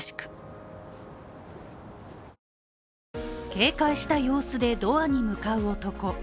警戒した様子でドアに向かう男。